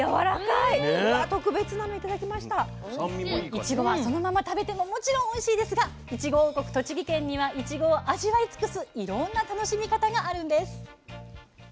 いちごはそのまま食べてももちろんおいしいですがいちご王国栃木県にはいちごを味わい尽くすいろんな楽しみ方があるんです。